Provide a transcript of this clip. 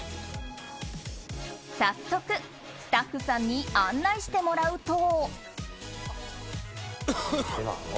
早速、スタッフさんに案内してもらうと。